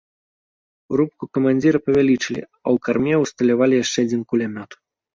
Рубку камандзіра павялічылі, а ў карме ўсталявалі яшчэ адзін кулямёт.